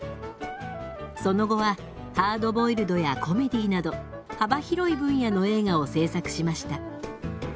その後はハードボイルドやコメディーなど幅広い分野の映画を制作しました。